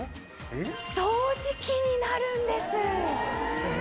・掃除機になるんです。